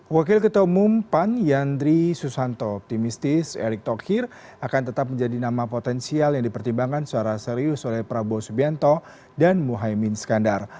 wakil ketua umum pan yandri susanto optimistis erick thokir akan tetap menjadi nama potensial yang dipertimbangkan secara serius oleh prabowo subianto dan muhaymin skandar